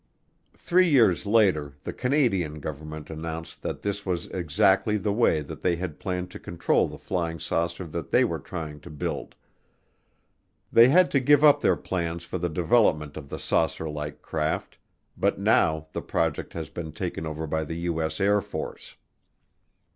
(Three years later the Canadian Government announced that this was exactly the way that they had planned to control the flying saucer that they were trying to build. They had to give up their plans for the development of the saucer like craft, but now the project has been taken over by the U.S. Air Force.)